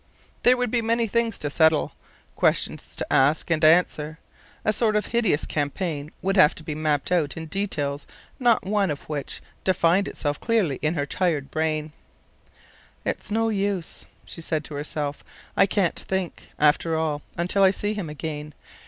There would be many things to settle, questions to ask and answer; a sort of hideous campaign would have to be mapped out in details not one of which defined itself clearly in her tired brain. "It's no use," she said to herself. "I can't think, after all, until I see him again.